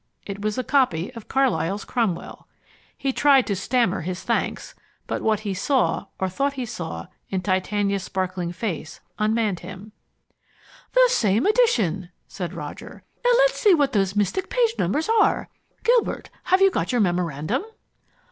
It was a copy of Carlyle's Cromwell. He tried to stammer his thanks, but what he saw or thought he saw in Titania's sparkling face unmanned him. "The same edition!" said Roger. "Now let's see what those mystic page numbers are! Gilbert, have you got your memorandum?"